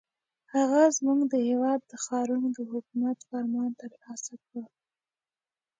هغه زموږ د هېواد د ښارونو د حکومت فرمان ترلاسه کړ.